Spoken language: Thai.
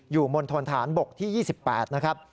มณฑนฐานบกที่๒๘นะครับ